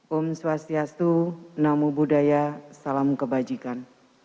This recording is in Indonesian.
om swastiastu namo buddhaya salam kebajikan